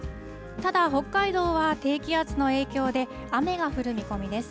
ただ、北海道は低気圧の影響で雨が降る見込みです。